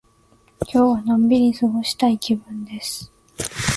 今日はのんびり過ごしたい気分です。